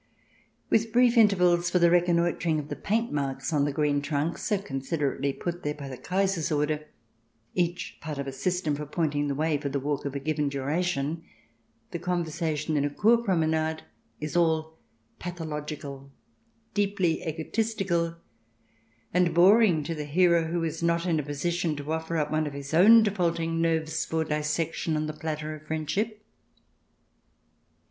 With brief intervals for the reconnoitring of the paint marks on the green trunks so considerately put there by the Kaiser's orders, each part of a system for pointing the way for the walk of a given dura tion, the conversation in a Kur promenade is all pathological, deeply egoistical, and boring to the hearer who is not in a position to offer up one of his own defaulting nerves for dissection on the platter of friendship.